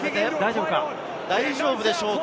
大丈夫でしょうか？